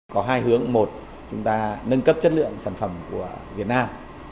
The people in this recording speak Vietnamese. có hai hướng một chúng ta nâng cấp chất lượng sản phẩm của việt nam